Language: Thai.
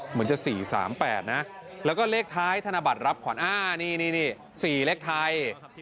เหมือนจะ๔๓๘นะแล้วก็เลขท้ายธนบัตรรับขวัญนี่๔เลขไทย